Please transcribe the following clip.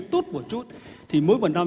tốt một chút thì mỗi một năm